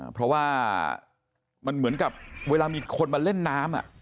เพราะว่ามันเหมือนกับเวลามีคนมาเล่นน้ำ